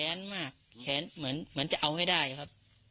แขนมากเหมือนจะเอาให้ได้ครับ